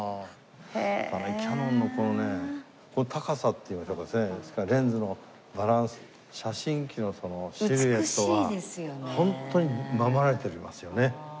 キヤノンのこのね高さっていいましょうかレンズのバランス写真機のシルエットがホントに守られておりますよね